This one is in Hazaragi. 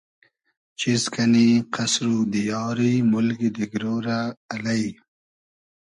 چیز کئنی قئسر و دیاری مولگی دیگرۉ رۂ الݷ